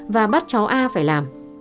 và bắt cháu a phải làm